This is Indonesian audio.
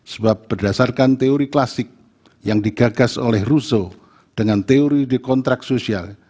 sebab berdasarkan teori klasik yang digagas oleh russo dengan teori dekontrak sosial